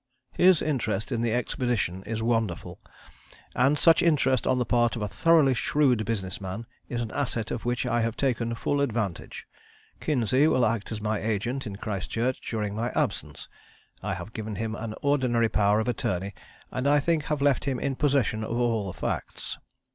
"His interest in the expedition is wonderful, and such interest on the part of a thoroughly shrewd business man is an asset of which I have taken full advantage. Kinsey will act as my agent in Christchurch during my absence; I have given him an ordinary power of attorney, and I think have left him in possession of all the facts.